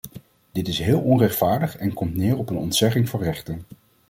Dit is heel onrechtvaardig en komt neer op een ontzegging van rechten.